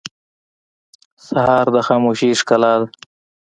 سهار د خاموشۍ ښکلا ده.